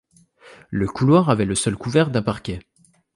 Le couloir avait le sol couvert d'un parquet.